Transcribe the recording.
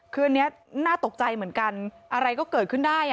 คืออันนี้น่าตกใจเหมือนกันอะไรก็เกิดขึ้นได้